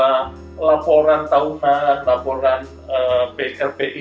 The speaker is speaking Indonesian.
laporan tahunan laporan tahun tahun lainnya atau laporan tahun tahun lainnya tidak akan sampai dengan lpi yang sama